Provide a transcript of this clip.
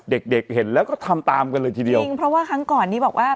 เด็กเด็กเห็นแล้วก็ทำตามกันเลยทีเดียวจริงเพราะว่าครั้งก่อนนี้บอกว่า